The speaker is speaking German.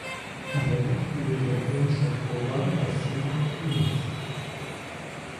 An der Bucht liegen der Erholungsort Prora und das Seebad Binz.